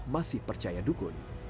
masih percaya dukun